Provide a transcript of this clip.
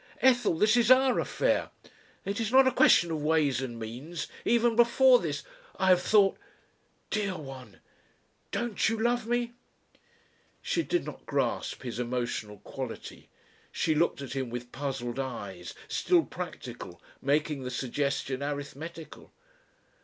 Ethel! this is our affair. It is not a question of ways and means even before this I have thought ... Dear one! don't you love me?" She did not grasp his emotional quality. She looked at him with puzzled eyes still practical making the suggestion arithmetical.